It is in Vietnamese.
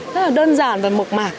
rất là đơn giản và mộc mạc